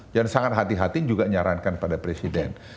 dan sangat hati hati juga nyarankan pada presiden